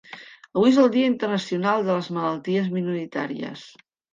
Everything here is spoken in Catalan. Avui és el dia internacional de les malalties minoritàries.